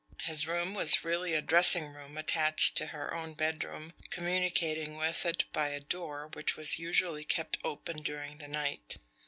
His room was really a dressing room attached to her own bedroom, communicating with it by a door which was usually kept open during the night.